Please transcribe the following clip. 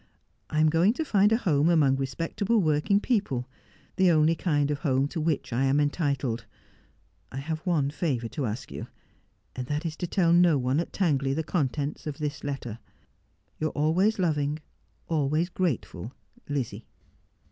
I am going to find a home among respectable working people, the only kind of home to which I am entitled. I have one favour to ask you, and that is to tell no one at Tangley the contents of this letter. — Your always loving, always grateful ' Lizzie.'